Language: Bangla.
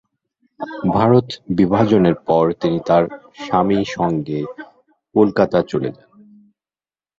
ভারত-বিভাজনের পর, তিনি তার স্বামী সঙ্গে কলকাতা চলে যান।